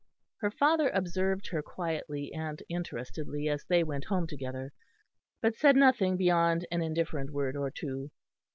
Her father observed her quietly and interestedly as they went home together, but said nothing beyond an indifferent word or two.